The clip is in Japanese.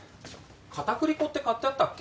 片栗粉って買ってあったっけ？